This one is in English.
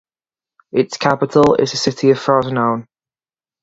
Its capital is the city of Frosinone.